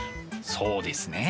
そうですね。